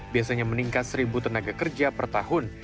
biasanya meningkat seribu tenaga kerja per tahun